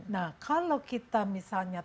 nah kalau kita misalnya